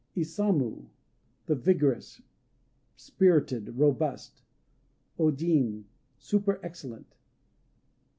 (?) Isamu "The Vigorous," spirited, robust. O Jin "Superexcellent."